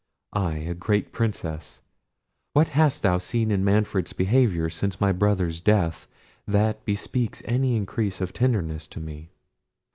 I a great princess! What hast thou seen in Manfred's behaviour since my brother's death that bespeaks any increase of tenderness to me?